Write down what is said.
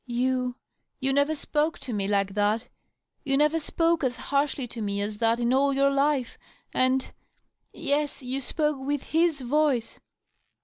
You — you never spoke to me like that — ^you never spoke as harshly to me as that in all your life — and .. yes, you spoke with his voice